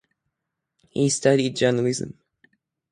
He studied journalism.